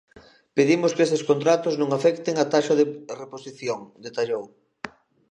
"Pedimos que eses contratos non afecten á taxa de reposición", detallou.